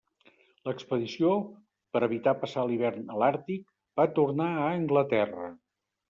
L'expedició, per evitar passar l'hivern a l'Àrtic, va tornar a Anglaterra.